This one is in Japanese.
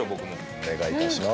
お願いいたします。